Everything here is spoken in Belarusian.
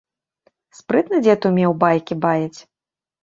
Спрытна дзед умеў байкі баяць.